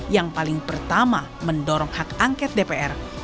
yang paling pertama mendorong hak angket dpr